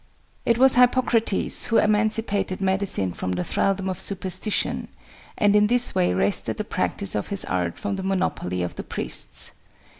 It was Hippocrates who emancipated medicine from the thraldom of superstition, and in this way wrested the practice of his art from the monopoly of the priests.